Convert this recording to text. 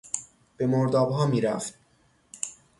به مردابها میرفت.